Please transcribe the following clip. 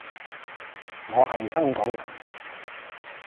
我係香港人